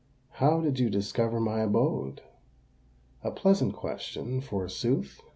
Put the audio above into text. "How did you discover my abode?" "A pleasant question, forsooth!"